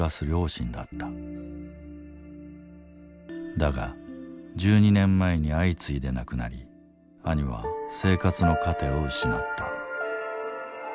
だが１２年前に相次いで亡くなり兄は生活の糧を失った。